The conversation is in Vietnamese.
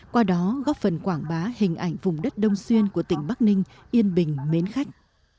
qua đó góp phần quảng bá hình ảnh vùng đất đông xuyên của tỉnh bắc ninh yên bình mến khách